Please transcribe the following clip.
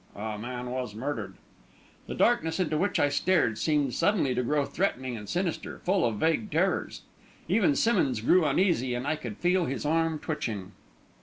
A man was murdered!" The darkness into which I stared seemed suddenly to grow threatening and sinister, full of vague terrors. Even Simmonds grew uneasy, and I could feel his arm twitching.